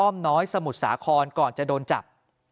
อ้อมน้อยสมุดสาครก่อนจะโดนจับ